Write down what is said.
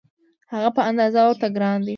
هغه په اندازه ورته ګران دی.